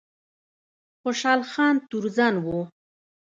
خوشحال خان تورزن و